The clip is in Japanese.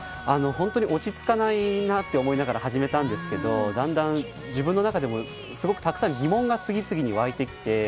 本当に落ち着かないなと思いながら始めたんですがだんだん自分の中でもすごくたくさん疑問が次々と湧いてきて。